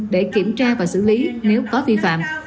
để kiểm tra và xử lý nếu có vi phạm